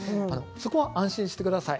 そこは安心してください。